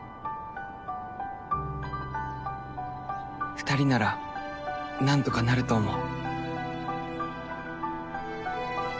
２人なら何とかなると思う。